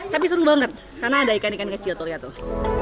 tapi seru banget karena ada ikan ikan kecil tuh lihat tuh